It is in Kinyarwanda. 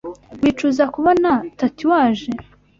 Wicuza kubona tatouage?